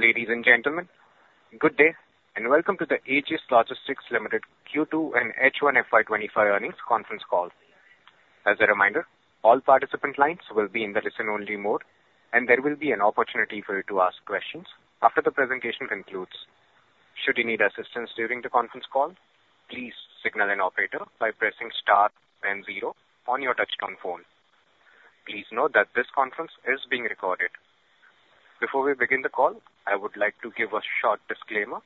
Ladies and gentlemen, good day and welcome to the Aegis Logistics Limited Q2 and H1FY25 earnings conference call. As a reminder, all participant lines will be in the listen-only mode, and there will be an opportunity for you to ask questions after the presentation concludes. Should you need assistance during the conference call, please signal an operator by pressing star and zero on your touch-tone phone. Please note that this conference is being recorded. Before we begin the call, I would like to give a short disclaimer.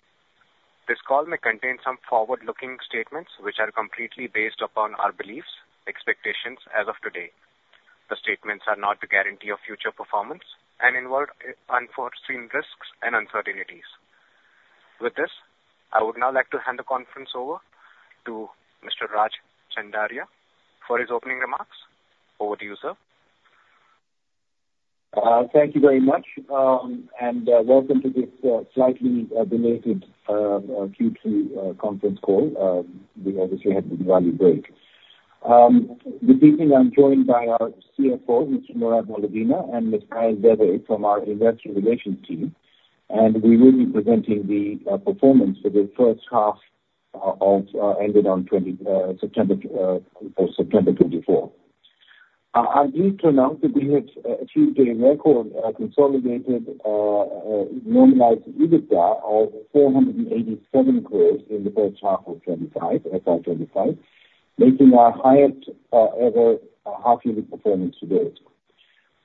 This call may contain some forward-looking statements which are completely based upon our beliefs and expectations as of today. The statements are not to guarantee your future performance and involve unforeseen risks and uncertainties. With this, I would now like to hand the conference over to Mr. Raj K. Chandaria for his opening remarks. Over to you, sir. Thank you very much, and welcome to this slightly delayed Q2 conference call. We obviously had a valid break. This evening, I'm joined by our CFO, Mr. Murad Moledina, and Ms. Payal Dave from our investor relations team, and we will be presenting the performance for the first half ended on September 24. I'm pleased to announce that we have achieved a record consolidated normalized EBITDA of 487 crores in the first half of FY25, making our highest-ever half-yearly performance to date.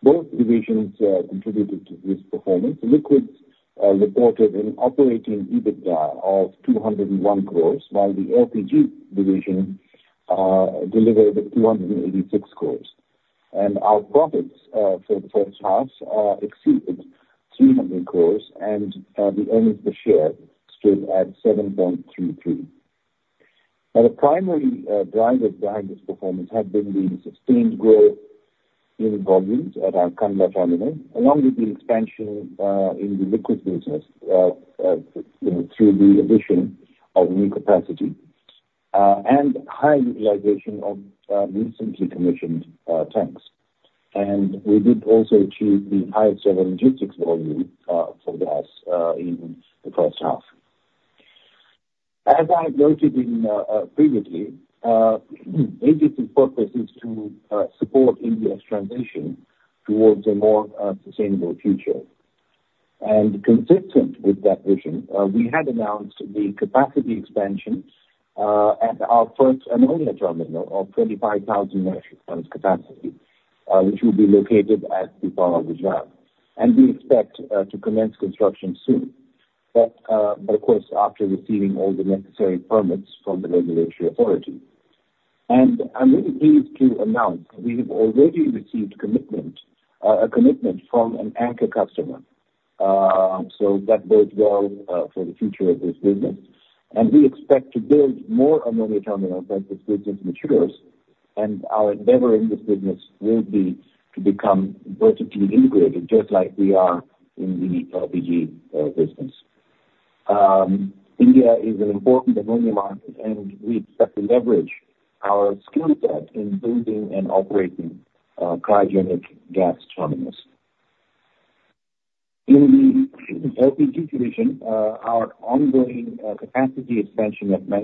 Both divisions contributed to this performance. Liquids reported an operating EBITDA of 201 crores, while the LPG division delivered 286 crores. Our profits for the first half exceeded 300 crores, and the earnings per share stood at 7.33. Now, the primary drivers behind this performance have been the sustained growth in volumes at our Kandla terminal, along with the expansion in the liquid business through the addition of new capacity and high utilization of recently commissioned tanks, and we did also achieve the highest-ever logistics volume for gas in the first half. As I've noted previously, Aegis' purpose is to support India's transition towards a more sustainable future, and consistent with that vision, we had announced the capacity expansion at our first and only terminal of 25,000 metric tons capacity, which will be located at Pipavav Gujarat, and we expect to commence construction soon, but of course after receiving all the necessary permits from the regulatory authority, and I'm really pleased to announce we have already received a commitment from an anchor customer, so that bodes well for the future of this business. And we expect to build more and more new terminals as this business matures, and our endeavor in this business will be to become vertically integrated, just like we are in the LPG business. India is an important ammonia market, and we expect to leverage our skill set in building and operating cryogenic gas terminals. In the LPG division, our ongoing capacity expansion at New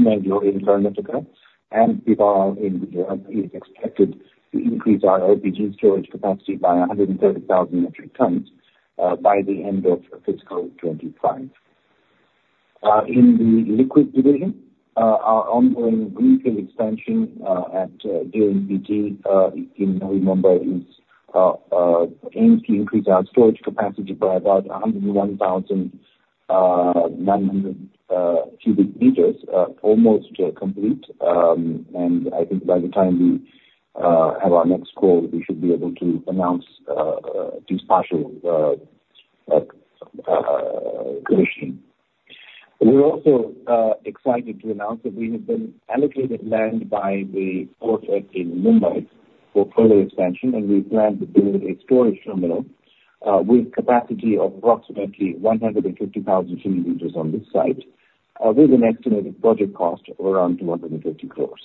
Mangalore in Karnataka and Pipavav in Gujarat is expected to increase our LPG storage capacity by 130,000 metric tons by the end of fiscal 2025. In the liquid division, our ongoing greenfield expansion at JNPT in Navi Mumbai aims to increase our storage capacity by about 101,900 cubic meters, almost complete. And I think by the time we have our next call, we should be able to announce this partial commissioning. We're also excited to announce that we have been allocated land by the port in Mumbai for further expansion, and we plan to build a storage terminal with a capacity of approximately 150,000 cubic meters on this site, with an estimated project cost of around 250 crores.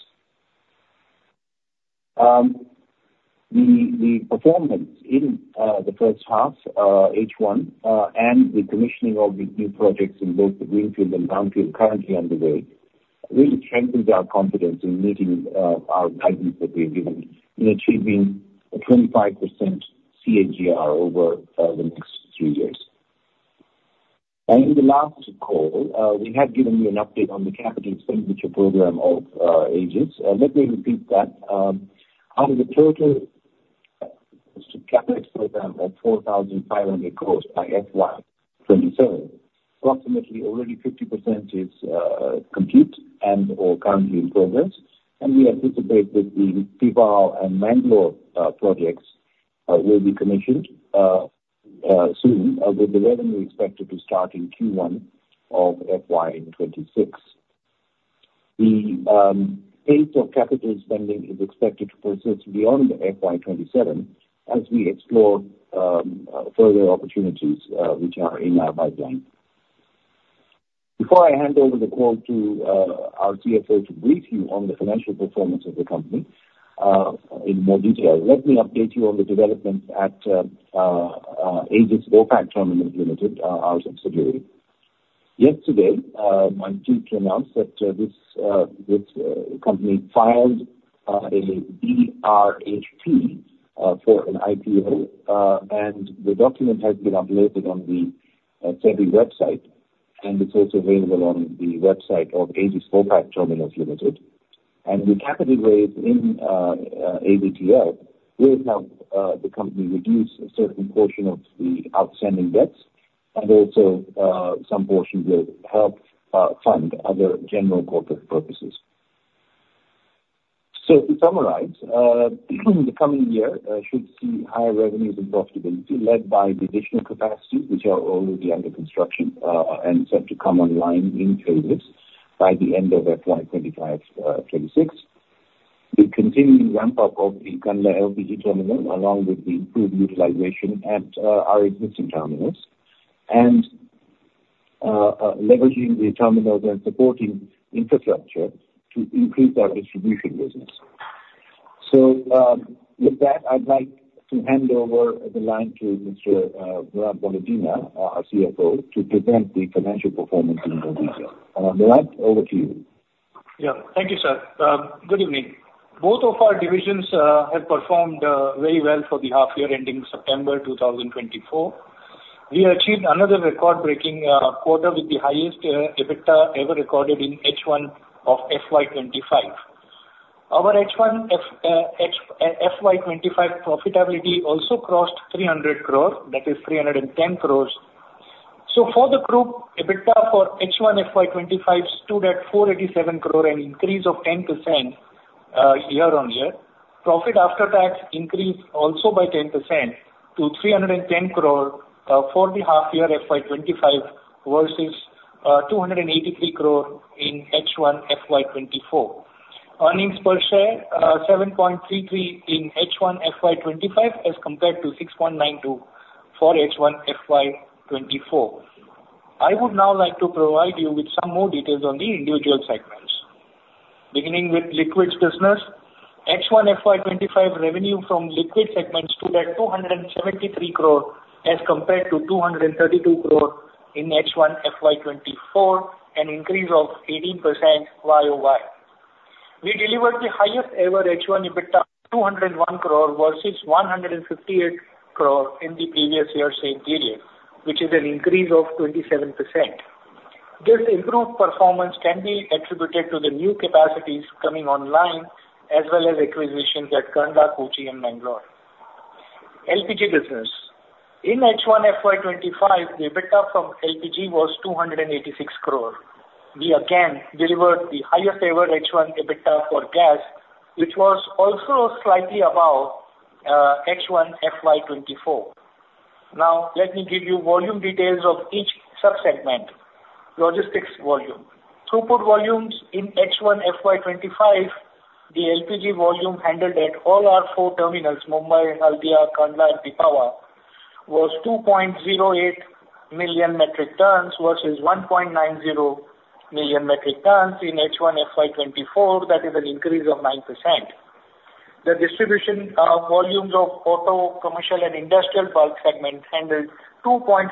The performance in the first half, H1, and the commissioning of the new projects in both the greenfield and brownfield currently underway really strengthens our confidence in meeting our guidance that we have given in achieving a 25% CAGR over the next three years. And in the last call, we had given you an update on the capital expenditure program of Aegis. Let me repeat that. Out of the total capital expenditure program of 4,500 crores by FY27, approximately already 50% is complete and/or currently in progress, and we anticipate that the Pipavav and New Mangalore projects will be commissioned soon, with the revenue expected to start in Q1 of FY26. The pace of capital spending is expected to persist beyond FY27 as we explore further opportunities which are in our pipeline. Before I hand over the call to our CFO to brief you on the financial performance of the company in more detail, let me update you on the developments at Aegis Vopak Terminals Limited, our subsidiary. Yesterday, my chief announced that this company filed a DRHP for an IPO, and the document has been uploaded on the SEBI website, and it's also available on the website of Aegis Vopak Terminals Limited. The capital raised in AVTL will help the company reduce a certain portion of the outstanding debts, and also some portion will help fund other general corporate purposes. To summarize, the coming year should see higher revenues and profitability led by the additional capacity which are already under construction and set to come online in phases by the end of FY 2025-26, the continuing ramp-up of the Kandla LPG terminal along with the improved utilization at our existing terminals, and leveraging the terminals and supporting infrastructure to increase our distribution business. With that, I'd like to hand over the line to Mr. Murad Moledina, our CFO, to present the financial performance in more detail. Murad, over to you. Yeah, thank you, sir. Good evening. Both of our divisions have performed very well for the half-year ending September 2024. We achieved another record-breaking quarter with the highest EBITDA ever recorded in H1 of FY25. Our H1 FY25 profitability also crossed 300 crores, that is 310 crores. So, for the group, EBITDA for H1 FY25 stood at 487 crores and increased of 10% year-on-year. Profit after tax increased also by 10% to 310 crores for the half-year FY25 versus 283 crores in H1 FY24. Earnings per share, 7.33 in H1 FY25 as compared to 6.92 for H1 FY24. I would now like to provide you with some more details on the individual segments. Beginning with liquids business, H1 FY25 revenue from liquid segments stood at 273 crores as compared to 232 crores in H1 FY24, an increase of 18% YOY. We delivered the highest-ever H1 EBITDA of 201 crores versus 158 crores in the previous year's same period, which is an increase of 27%. This improved performance can be attributed to the new capacities coming online, as well as acquisitions at Kandla, Kochi, and New Mangalore. LPG business. In H1 FY25, the EBITDA from LPG was 286 crores. We again delivered the highest-ever H1 EBITDA for gas, which was also slightly above H1 FY24. Now, let me give you volume details of each subsegment. Logistics volume. Throughput volumes in H1 FY25, the LPG volume handled at all our four terminals, Mumbai, Haldia, Kandla, and Pipavav, was 2.08 million metric tons versus 1.90 million metric tons in H1 FY24, that is an increase of 9%. The distribution volumes of auto, commercial, and industrial bulk segments handled 2.58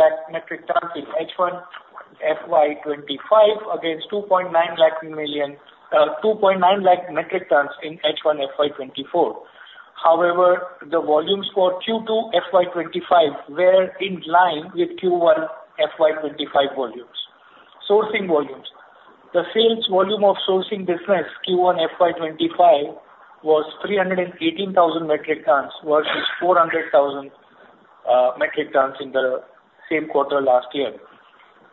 lakh metric tons in H1 FY25 against 2.9 lakh metric tons in H1 FY24. However, the volumes for Q2 FY25 were in line with Q1 FY25 volumes. Sourcing volumes. The sales volume of sourcing business Q1 FY25 was 318,000 metric tons versus 400,000 metric tons in the same quarter last year.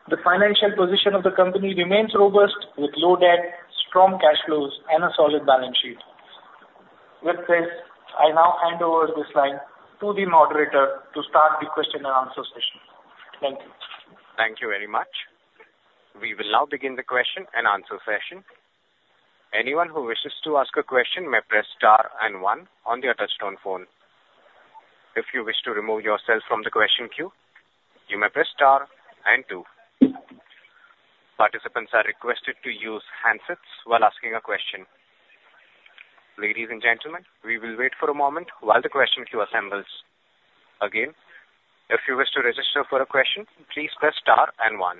The financial position of the company remains robust with low debt, strong cash flows, and a solid balance sheet. With this, I now hand over this line to the moderator to start the question and answer session. Thank you. Thank you very much. We will now begin the question and answer session. Anyone who wishes to ask a question may press star and one on the touchtone phone. If you wish to remove yourself from the question queue, you may press star and two. Participants are requested to use handsets while asking a question. Ladies and gentlemen, we will wait for a moment while the question queue assembles. Again, if you wish to register for a question, please press star and one.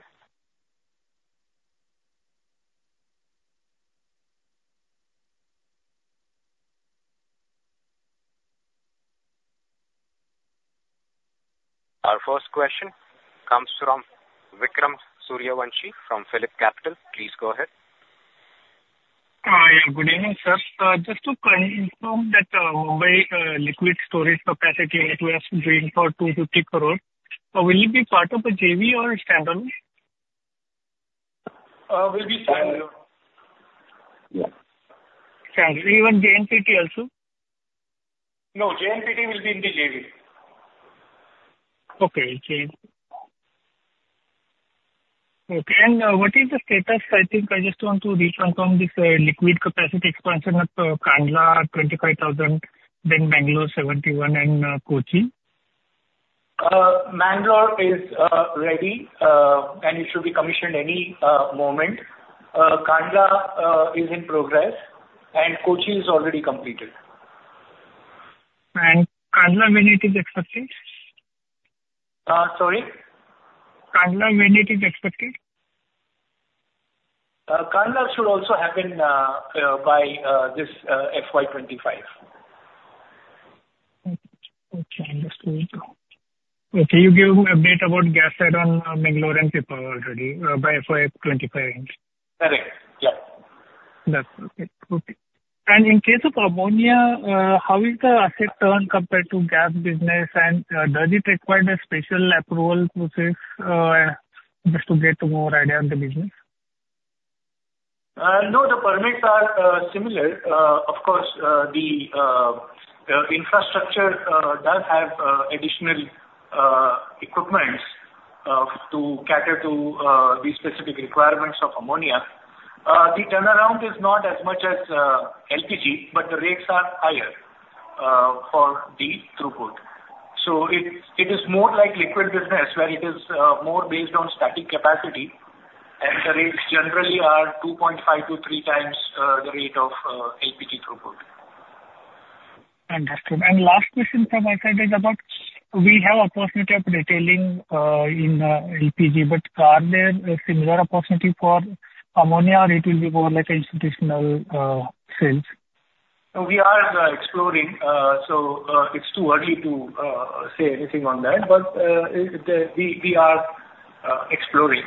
Our first question comes from Vikram Suryavanshi from PhillipCapital. Please go ahead. Hi, good evening, sir. Just to confirm that Mumbai liquid storage capacity net worth is going for INR 250 crores. Will it be part of the JV or standalone? Will be standalone. Standalone. Standalone. Even JNPT also? No, JNPT will be in the JV. Okay. What is the status? I think I just want to reconfirm this liquid capacity expansion of Kandla, 25,000, then Mangalore, 71, and Kochi. Mangalore is ready, and it should be commissioned any moment. Kandla is in progress, and Kochi is already completed. And Kandla when it is expected? Sorry? Kandla, when it is expected? Kandla should also happen by this FY25. Okay. I understood. Okay. You gave update about gas add-on Mangalore and Pipavav already by FY25. Correct. Yep. That's okay. Okay. And in case of ammonia, how is the asset turned compared to gas business, and does it require a special approval process just to get more idea on the business? No, the permits are similar. Of course, the infrastructure does have additional equipment to cater to the specific requirements of ammonia. The turnaround is not as much as LPG, but the rates are higher for the throughput. So it is more like liquid business where it is more based on static capacity, and the rates generally are 2.5-3 times the rate of LPG throughput. Understood. And last question from my side is about we have an opportunity of retailing in LPG, but are there similar opportunities for ammonia, or it will be more like institutional sales? We are exploring, so it's too early to say anything on that, but we are exploring.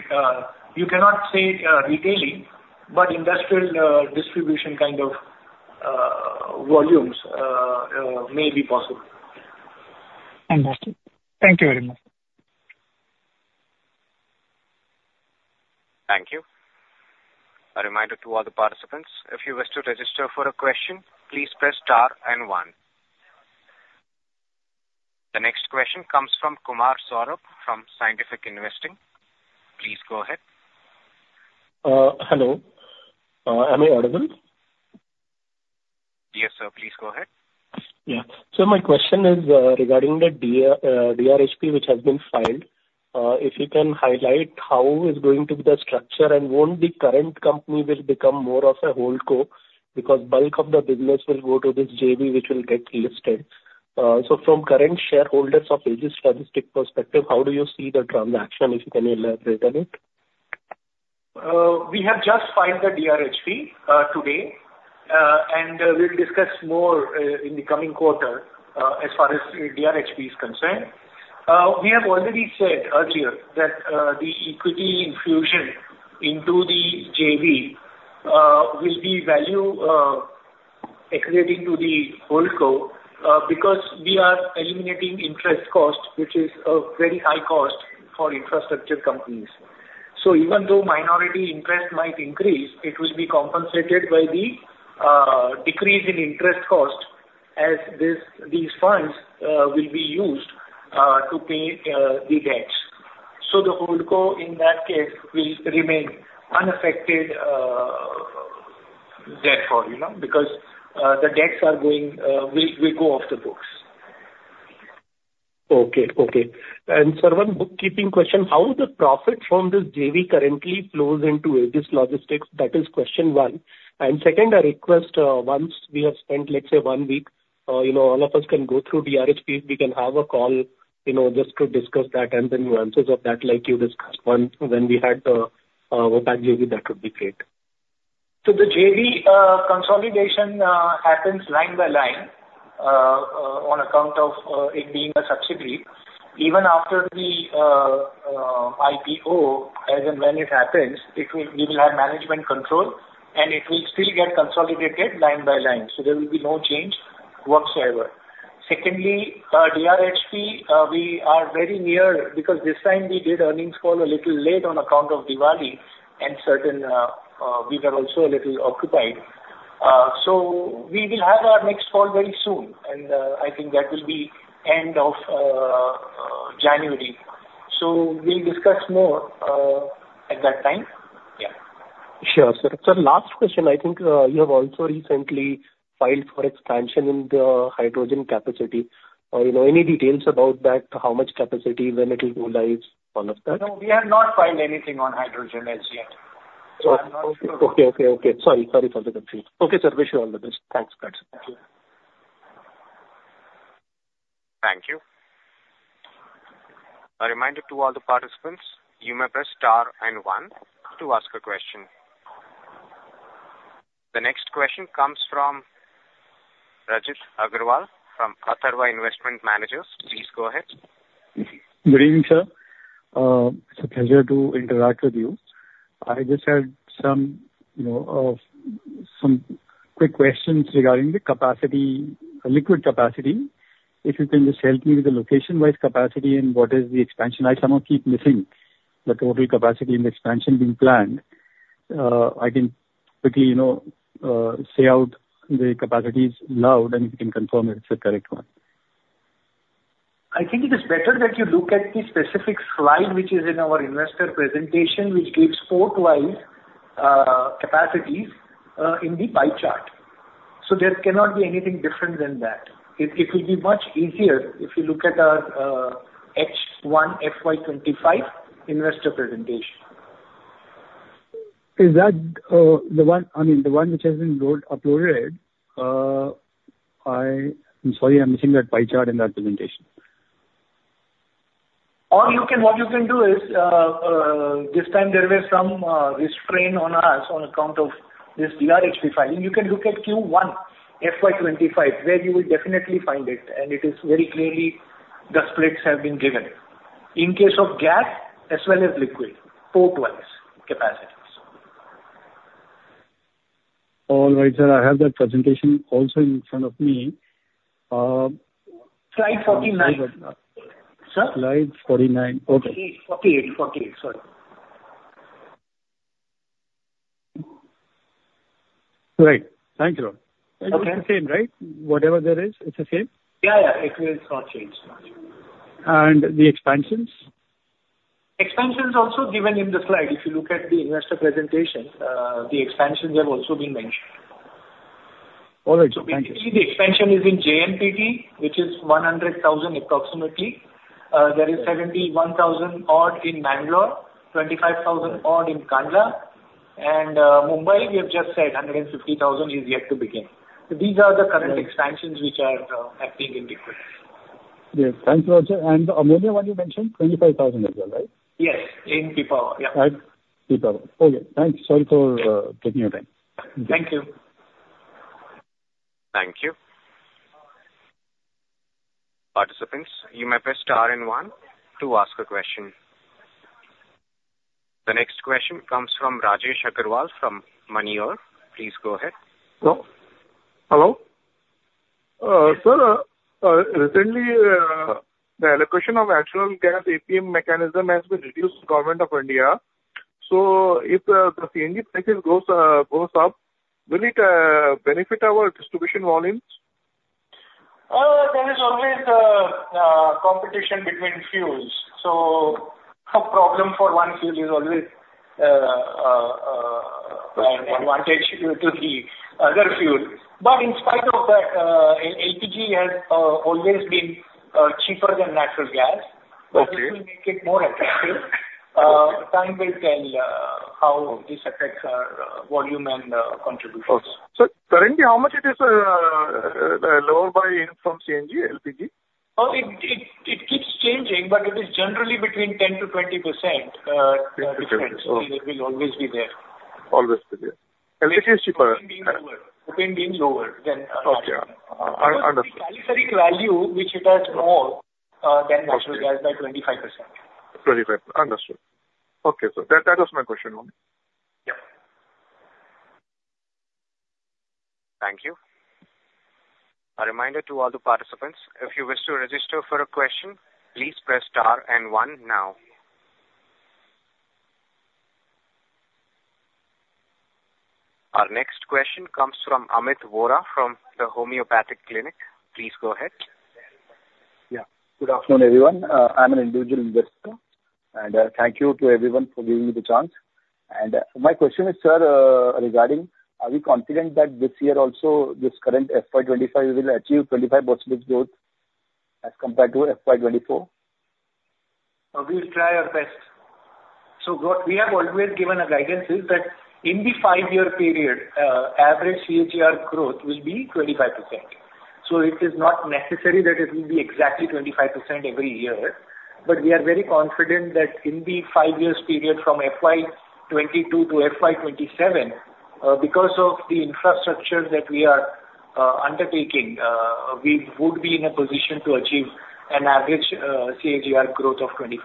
You cannot say retailing, but industrial distribution kind of volumes may be possible. Understood. Thank you very much. Thank you. A reminder to all the participants, if you wish to register for a question, please press star and one. The next question comes from Kumar Saurabh from Scientific Investing. Please go ahead. Hello. Am I audible? Yes, sir. Please go ahead. Yeah. So my question is regarding the DRHP, which has been filed. If you can highlight how is going to be the structure and won't the current company will become more of a hold co, because bulk of the business will go to this JV, which will get listed. So from current shareholders' or business logistics perspective, how do you see the transaction, if you can elaborate a bit? We have just filed the DRHP today, and we'll discuss more in the coming quarter as far as DRHP is concerned. We have already said earlier that the equity infusion into the JV will be value accretive to the hold co because we are eliminating interest cost, which is a very high cost for infrastructure companies. So even though minority interest might increase, it will be compensated by the decrease in interest cost as these funds will be used to pay the debts. So the hold co, in that case, will remain unaffected debt for you because the debts will go off the books. Okay. Okay. And, sir, one bookkeeping question. How does the profit from this JV currently flow into Aegis Logistics? That is question one. And second, a request, once we have spent, let's say, one week, all of us can go through DRHP. We can have a call just to discuss that and the nuances of that, like you discussed. When we had the Vopak JV, that would be great. So the JV consolidation happens line by line on account of it being a subsidiary. Even after the IPO, as and when it happens, we will have management control, and it will still get consolidated line by line. So there will be no change whatsoever. Secondly, DRHP, we are very near because this time we did earnings call a little late on account of Diwali and certain we were also a little occupied. So we will have our next call very soon, and I think that will be end of January. So we'll discuss more at that time. Yeah. Sure, sir. Sir, last question. I think you have also recently filed for expansion in the hydrogen capacity. Any details about that, how much capacity, when it will be utilized, all of that? No, we have not filed anything on hydrogen as yet. Okay. Okay. Okay. Sorry. Sorry for the confusion. Okay, sir. Wish you all the best. Thanks. Thank you. Thank you. A reminder to all the participants, you may press star and one to ask a question. The next question comes from Rajit Agarwal from Atharva Investment Managers. Please go ahead. Good evening, sir. It's a pleasure to interact with you. I just had some quick questions regarding the liquid capacity. If you can just help me with the location-wise capacity and what is the expansion? I somehow keep missing the total capacity and the expansion being planned. I can quickly say out the capacities loud, and you can confirm if it's the correct one. I think it is better that you look at the specific slide, which is in our investor presentation, which gives port-wise capacities in the pie chart. So there cannot be anything different than that. It will be much easier if you look at our H1 FY25 investor presentation. Is that the one I mean, the one which has been uploaded? I'm sorry, I'm missing that pie chart in that presentation. What you can do is, this time, there is some restraint on us on account of this DRHP filing. You can look at Q1 FY25, where you will definitely find it, and it is very clearly the splits have been given. In case of gas as well as liquid, port-wise capacities. All right, sir. I have that presentation also in front of me. Slide 49. Sir? Slide 49. Okay. Sorry. Right. Thank you, and it's the same, right? Whatever there is, it's the same? Yeah, yeah. It will not change. The expansions? Expansions also given in the slide. If you look at the investor presentation, the expansions have also been mentioned. All right. Thank you. Basically, the expansion is in JNPT, which is 100,000 approximately. There is 71,000 odd in Mangalore, 25,000 odd in Kandla, and Mumbai, we have just said 150,000 is yet to begin. So these are the current expansions which are happening in liquid. Yes. Thank you, sir. And the ammonia one you mentioned, 25,000 as well, right? Yes. In Pipavav. Yeah. Right? Pipavav. Okay. Thanks. Sorry for taking your time. Thank you. Thank you. Participants, you may press star and one to ask a question. The next question comes from Rajesh Agarwal from Moneyore. Please go ahead. Hello. Sir, recently, the allocation of natural gas APM mechanism has been reduced by the government of India. So if the CNG prices go up, will it benefit our distribution volumes? There is always competition between fuels. So a problem for one fuel is always an advantage to the other fuel. But in spite of that, LPG has always been cheaper than natural gas. So it will make it more attractive. Time will tell how this affects our volume and contribution. Sir, currently, how much is it lower from CNG, LPG? It keeps changing, but it is generally between 10%-20% difference. It will always be there. Always be there. LPG is cheaper. Depending lower than natural. Okay. Understood. The calorific value, which it has more than natural gas, by 25%. 25%. Understood. Okay. So that was my question. Yep. Thank you. A reminder to all the participants, if you wish to register for a question, please press star and one now. Our next question comes from Amit Vora from the Homeopathic Clinic. Please go ahead. Yeah. Good afternoon, everyone. I'm an individual investor, and thank you to everyone for giving me the chance. And my question is, sir, regarding, are we confident that this year also this current FY25 will achieve 25% growth as compared to FY24? We'll try our best. So what we have always given a guidance is that in the five-year period, average CAGR growth will be 25%. So it is not necessary that it will be exactly 25% every year, but we are very confident that in the five-year period from FY22 to FY27, because of the infrastructure that we are undertaking, we would be in a position to achieve an average CAGR growth of 25%.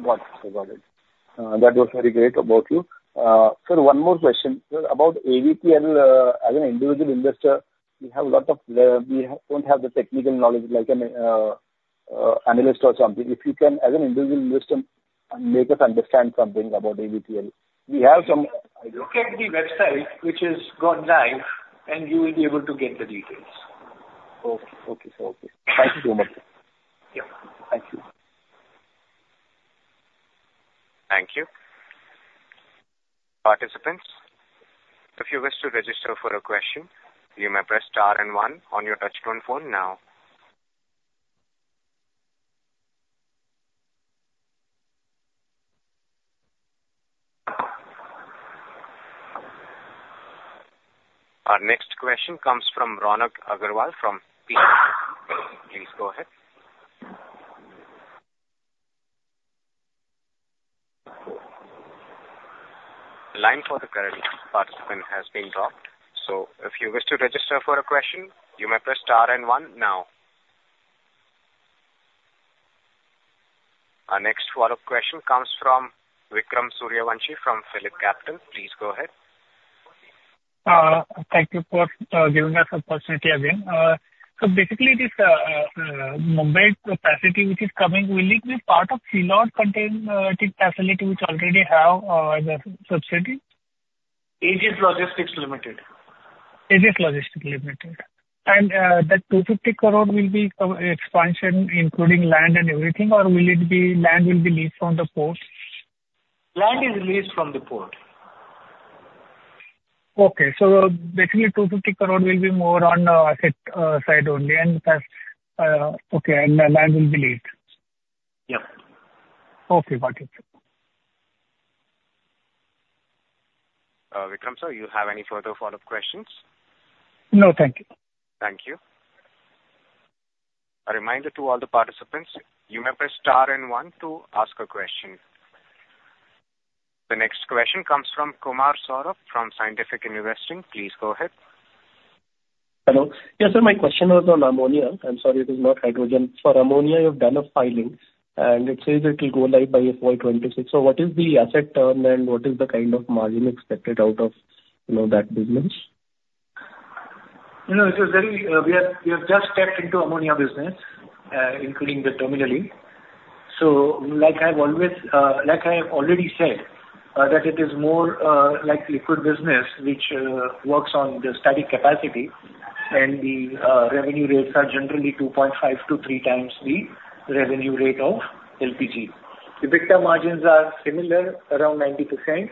Wonderful. Wonderful. That was very great about you. Sir, one more question. About AVTL, as an individual investor, we have a lot of we don't have the technical knowledge like an analyst or something. If you can, as an individual investor, make us understand something about AVTL. We have some. Look at the website, which has gone live, and you will be able to get the details. Okay. Thank you so much. Yeah. Thank you. Thank you. Participants, if you wish to register for a question, you may press star and one on your touchscreen phone now. Our next question comes from Ronak Agarwal from Pareto Capital. Please go ahead. Line for the current participant has been dropped. So if you wish to register for a question, you may press star and one now. Our next follow-up question comes from Vikram Suryavanshi from PhillipCapital. Please go ahead. Thank you for giving us the opportunity again. So basically, this Mumbai capacity, which is coming, will it be part of Sea Lord Container Facility, which already have the subsidy? Aegis Logistics Limited. Aegis Logistics Limited. And that 250 crore will be expansion, including land and everything, or will it be land will be leased from the port? Land is leased from the port. Okay, so basically, ₹250 crore will be more on asset side only, and okay, and land will be leased. Yep. Okay. Got it. Vikram sir, you have any further follow-up questions? No, thank you. Thank you. A reminder to all the participants, you may press star and one to ask a question. The next question comes from Kumar Saurabh from Scientific Investing. Please go ahead. Hello. Yes, sir, my question was on ammonia. I'm sorry, it is not hydrogen. For ammonia, you have done a filing, and it says it will go live by FY26. So what is the asset turn, and what is the kind of margin expected out of that business? You know, it is very. We have just stepped into ammonia business, including the terminal. So like I have always like I have already said, that it is more like liquid business, which works on the static capacity, and the revenue rates are generally 2.5-3 times the revenue rate of LPG. The big margins are similar, around 90%,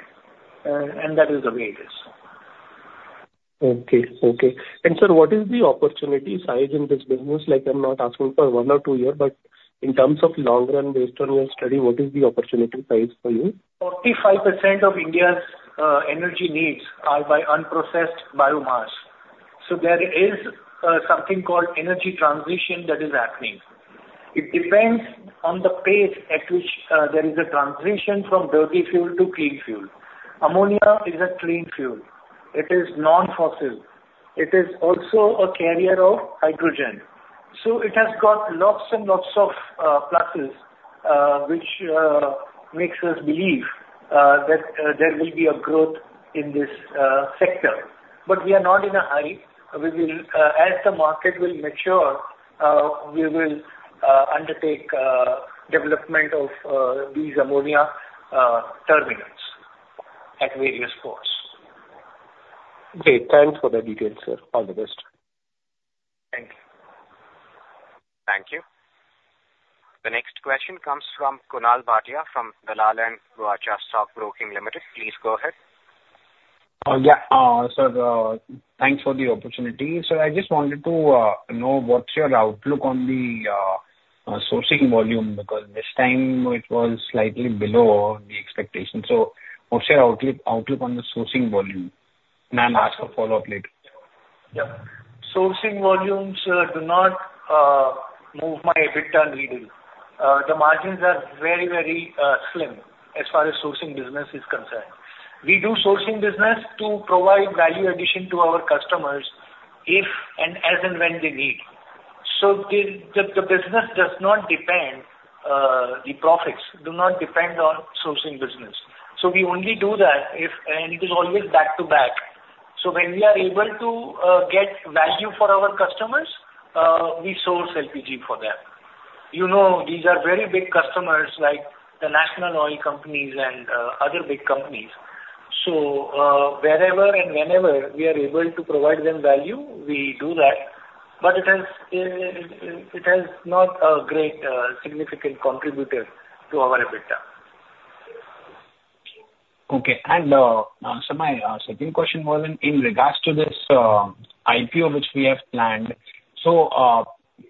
and that is the way it is. Okay. Sir, what is the opportunity size in this business? Like, I'm not asking for one or two years, but in terms of long run, based on your study, what is the opportunity size for you? 45% of India's energy needs are by unprocessed biomass, so there is something called energy transition that is happening. It depends on the pace at which there is a transition from dirty fuel to clean fuel. Ammonia is a clean fuel. It is non-fossil. It is also a carrier of hydrogen, so it has got lots and lots of pluses, which makes us believe that there will be a growth in this sector, but we are not in a hurry. As the market will mature, we will undertake development of these ammonia terminals at various ports. Okay. Thanks for the details, sir. All the best. Thank you. Thank you. The next question comes from Kunal Bhatia from Dalal & Broacha Stock Broking Pvt Ltd. Please go ahead. Yeah. Sir, thanks for the opportunity. Sir, I just wanted to know what's your outlook on the sourcing volume because this time it was slightly below the expectation. So what's your outlook on the sourcing volume? And I'll ask for follow-up later. Yeah. Sourcing volumes do not move the needle big time. The margins are very, very slim as far as sourcing business is concerned. We do sourcing business to provide value addition to our customers if and as and when they need. So the business does not depend. The profits do not depend on sourcing business. So we only do that if and it is always back to back. So when we are able to get value for our customers, we source LPG for them. You know, these are very big customers like the national oil companies and other big companies. So wherever and whenever we are able to provide them value, we do that. But it is not a great significant contributor to our EBITDA. Okay. And sir, my second question was in regards to this IPO, which we have planned. So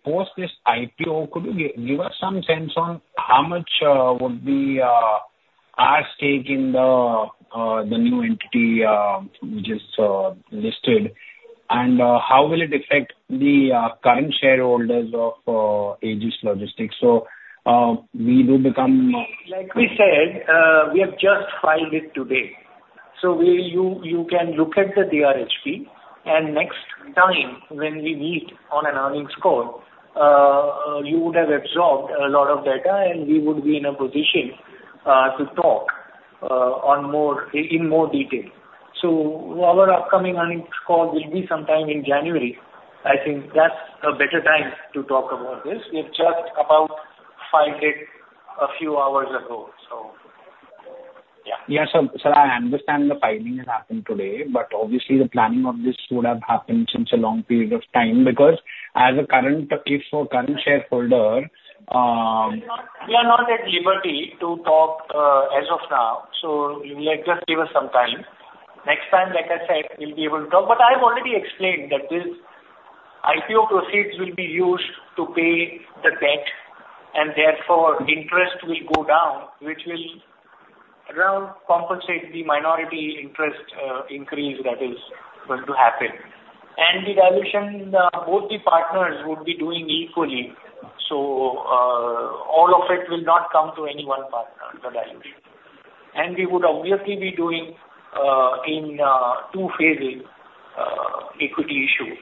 post this IPO, could you give us some sense on how much would be our stake in the new entity which is listed, and how will it affect the current shareholders of Aegis Logistics? So we do become. Like we said, we have just filed it today. So you can look at the DRHP, and next time when we meet on an earnings call, you would have absorbed a lot of data, and we would be in a position to talk in more detail. So our upcoming earnings call will be sometime in January. I think that's a better time to talk about this. We have just about filed it a few hours ago. So yeah. Yeah. Sir, I understand the filing has happened today, but obviously, the planning of this would have happened since a long period of time because as a current shareholder, we are not at liberty to talk as of now. So just give us some time. Next time, like I said, we'll be able to talk. But I've already explained that this IPO proceeds will be used to pay the debt, and therefore, interest will go down, which will compensate the minority interest increase that is going to happen. And the dilution, both the partners would be doing equally. So all of it will not come to any one partner, the dilution. And we would obviously be doing in two phases equity issue.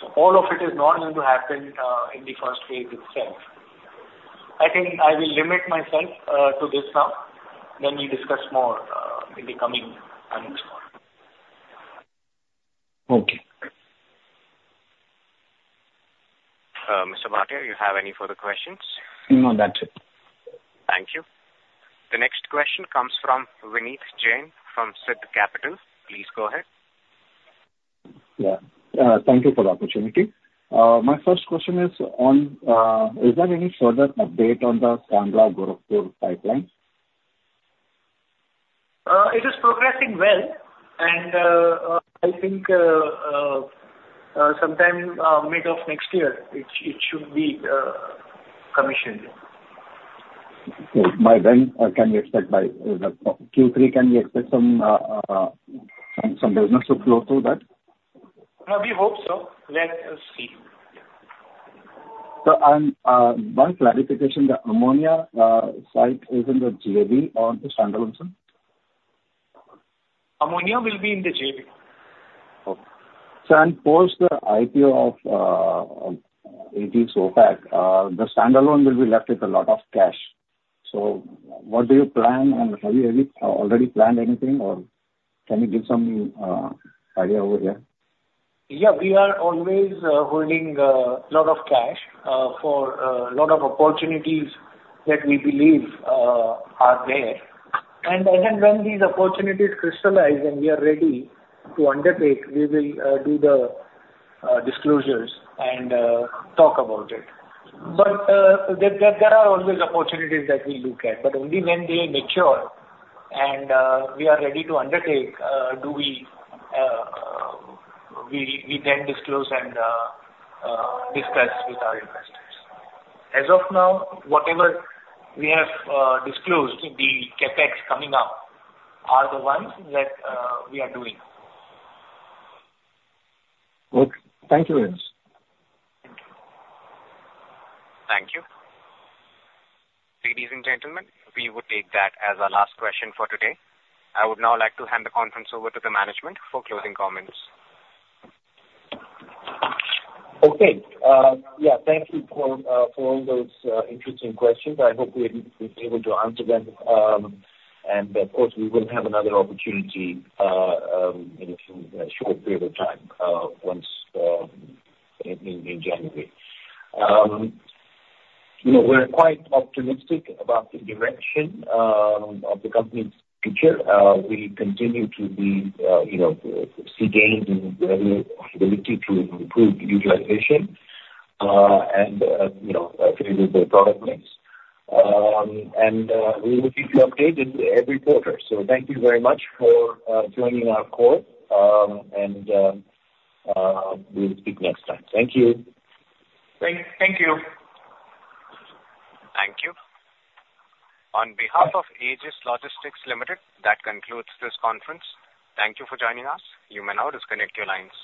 So all of it is not going to happen in the first phase itself. I think I will limit myself to this now. Then we discuss more in the coming earnings call. Okay. Mr. Bhatia, you have any further questions? No, that's it. Thank you. The next question comes from Vineet Jain from Siddh Capital. Please go ahead. Yeah. Thank you for the opportunity. My first question is, is there any further update on the Kandla-Gorakhpur pipeline? It is progressing well, and I think sometime mid of next year, it should be commissioned. By when can we expect by Q3? Can we expect some business to flow through that? We hope so. Let's see. Sir, and one clarification. The ammonia site is in the JV or the standalone zone? Ammonia will be in the JV. Okay. Sir, and post the IPO of Aegis Vopak, the standalone will be left with a lot of cash. So what do you plan, and have you already planned anything, or can you give some idea over here? Yeah. We are always holding a lot of cash for a lot of opportunities that we believe are there, and then when these opportunities crystallize and we are ready to undertake, we will do the disclosures and talk about it, but there are always opportunities that we look at, but only when they mature and we are ready to undertake, we then disclose and discuss with our investors. As of now, whatever we have disclosed, the CapEx coming up are the ones that we are doing. Okay. Thank you, Vaneeth. Thank you. Thank you. Ladies and gentlemen, we will take that as our last question for today. I would now like to hand the conference over to the management for closing comments. Okay. Yeah. Thank you for all those interesting questions. I hope we'll be able to answer them, and of course, we will have another opportunity in a short period of time once in January. We're quite optimistic about the direction of the company's future. We continue to see gains in the ability to improve utilization and favorable product mix. And we will keep you updated every quarter. So thank you very much for joining our call, and we'll speak next time. Thank you. Thank you. Thank you. On behalf of Aegis Logistics Limited, that concludes this conference. Thank you for joining us. You may now disconnect your lines.